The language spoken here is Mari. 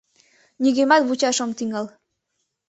Нигӧмат вучаш ом тӱҥал».